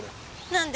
何で？